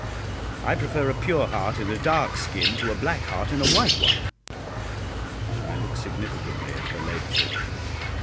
I prefer a pure heart in a dark skin to a black heart in a white one," and I looked significantly at her ladyship.